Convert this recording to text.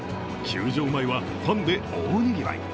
球場前はファンで大にぎわい。